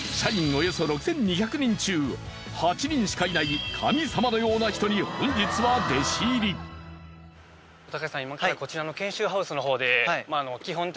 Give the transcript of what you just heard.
およそ６２００人中８人しかいない神様のような人に本日は弟子入りわざわざ。